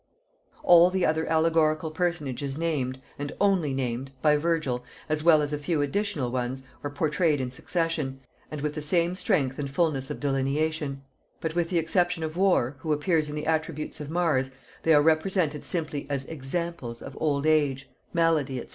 All the other allegorical personages named, and only named, by Virgil, as well as a few additional ones, are pourtrayed in succession, and with the same strength and fullness of delineation; but with the exception of War, who appears in the attributes of Mars, they are represented simply as examples of Old age, Malady, &c.